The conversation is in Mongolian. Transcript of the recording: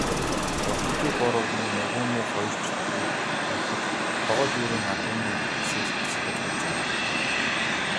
Болдоггүй Бор өвгөн нөгөө муу хоёр чөтгөрийг ирэхэд тогоо дүүрэн адууны сэвс буцалгаж байжээ.